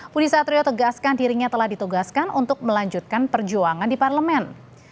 budi satrio tegaskan dirinya telah ditugaskan untuk melanjutkan perjuangan di parlemen